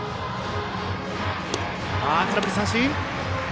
空振り三振！